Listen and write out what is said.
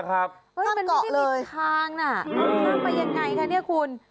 มันไม่ได้มิตรทางน่ะนั่งไปยังไงคะ